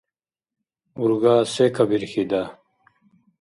Урга се кабирхьида?